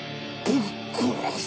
ぶっ殺す！